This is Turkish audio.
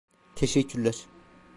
Teşekkürler...